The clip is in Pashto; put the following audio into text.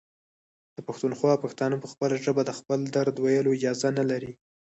د پښتونخوا پښتانه په خپله ژبه د خپل درد ویلو اجازه نلري.